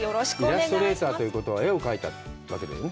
イラストレーターということは絵を描いたわけだね？